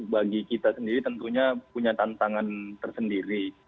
bagi kita sendiri tentunya punya tantangan tersendiri